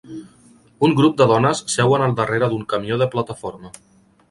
Un grup de dones seuen al darrere d'un camió de plataforma.